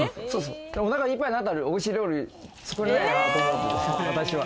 お腹いっぱいになったら、おいしい料理作れないと思う、私は。